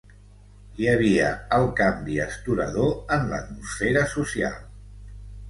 Hi havia el canvi astorador en l'atmosfera social